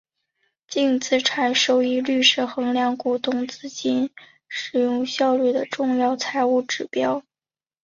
净资产收益率是衡量股东资金使用效率的重要财务指标。